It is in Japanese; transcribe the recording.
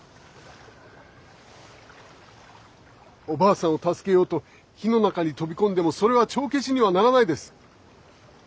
おばあさんを助けようと火の中に飛び込んでもそれは帳消しにはならないです。